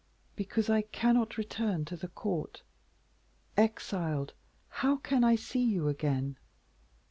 "Because I cannot return to the court. Exiled, how can I see you again?